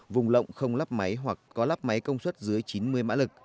vùng lộng không lắp máy hoặc có lắp máy công suất dưới chín mươi mã lực